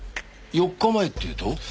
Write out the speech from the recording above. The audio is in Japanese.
４日前っていうと？